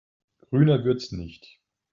Grüner wird's nicht.